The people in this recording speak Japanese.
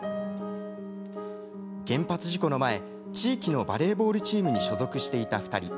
原発事故の前地域のバレーボールチームに所属していた２人。